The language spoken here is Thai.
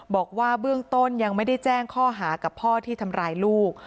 บอกว่าเบื้องต้นยังไม่ได้แจ้งข้อหากับพ่อที่ทำร้ายลูก